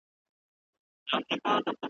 په دې لویه وداني کي توتکۍ وه .